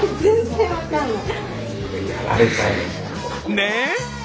ねえ？